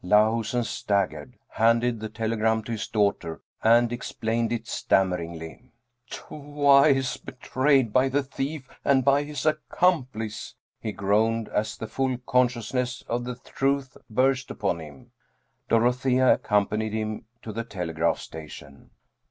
Lahusen staggered, handed the telegram to his daughter and explained it stammeringly. " Twice betrayed by the thief and by his accomplice !" he groaned, as the full con sciousness of the truth burst upon him. Dorothea accompanied him to the telegraph station.